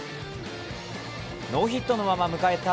ノーヒットのまま迎えた